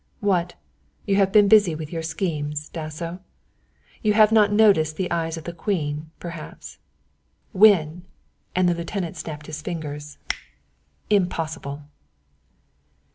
"What! You have been busy with your schemes, Dasso; you have not noticed the eyes of the Queen, perhaps. Win!" and the lieutenant snapped his fingers "impossible."